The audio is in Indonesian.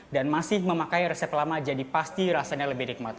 dan masih memakai resep lama jadi pasti rasanya lebih nikmat